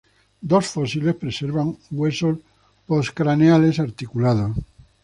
Dos fósiles preservan huesos postcraneales articulados.